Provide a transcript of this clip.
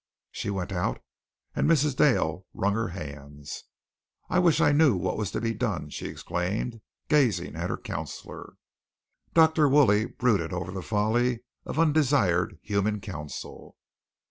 She went out and Mrs. Dale wrung her hands. "I wish I knew what was to be done," she exclaimed, gazing at her counselor. Dr. Woolley brooded over the folly of undesired human counsel.